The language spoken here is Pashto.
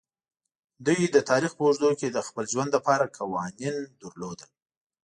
دوی د تاریخ په اوږدو کې د خپل ژوند لپاره قوانین لرل.